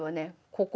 ここ。